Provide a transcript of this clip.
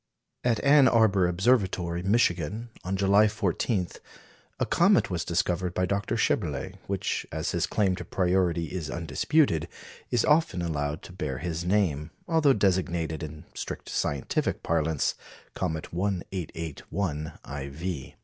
At Ann Arbor Observatory, Michigan, on July 14, a comet was discovered by Dr. Schaeberle, which, as his claim to priority is undisputed, is often allowed to bear his name, although designated, in strict scientific parlance, comet 1881 iv.